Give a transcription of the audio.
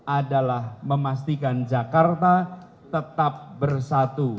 adalah memastikan jakarta tetap bersatu